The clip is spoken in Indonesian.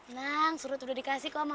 nang surut udah dikasih kok sama